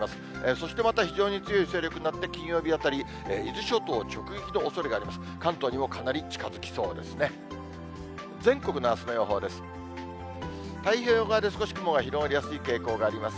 そしてまた非常に強い勢力になって、金曜日あたり、伊豆諸島直撃のおそれがあります。